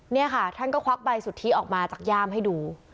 นี่ค่ะท่านก็ควักใบสุทธิออกมาจากย่ามให้ดู